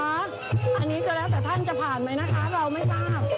อันนี้ก็แล้วแต่ท่านจะผ่านไหมนะคะเราไม่ทราบ